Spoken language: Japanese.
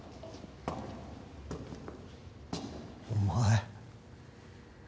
お前！